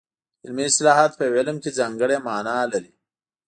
علمي اصطلاحات په یو علم کې ځانګړې مانا لري